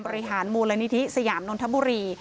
บริหารมูลนิธิสยามนนทบุรี